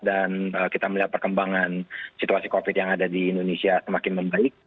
dan kita melihat perkembangan situasi covid sembilan belas yang ada di indonesia semakin membaik